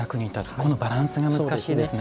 このバランスが難しいですね。